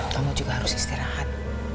kamu juga harus istirahat